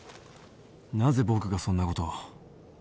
なぜ僕がそんなことを。